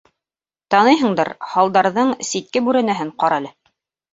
Таныйһыңдыр, һалдарҙың ситке бүрәнәһен ҡара әле...